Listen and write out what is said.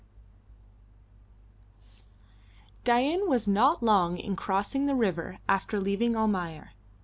CHAPTER VI. Dain was not long in crossing the river after leaving Almayer.